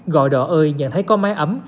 gọi đỏ ơi nhận thấy có máy ấm